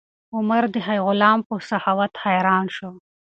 عمر د غلام په سخاوت حیران شو.